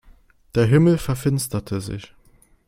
Der Himmel verfinsterte sich.